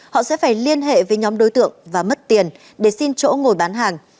họ sẽ phải liên hệ với nhóm đối tượng và mất tiền để xin chỗ ngồi bán hàng